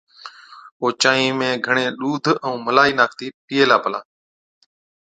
او چانهِي ۾ گھڻَي ڏُوڌ ائُون ملائِي ناکتِي پِيئي هِلا پلا